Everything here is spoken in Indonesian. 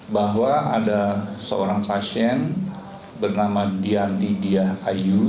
bahwa ada seorang pasien bernama dianti diyahayu